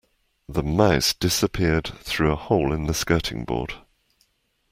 The mouse disappeared through a hole in the skirting board